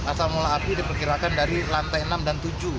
asal mula api diperkirakan dari lantai enam dan tujuh